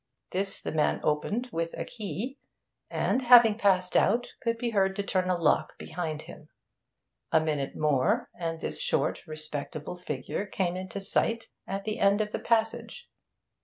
This the man opened with a key, and, having passed out, could be heard to turn a lock behind him. A minute more, and this short, respectable figure came into sight at the end of the passage.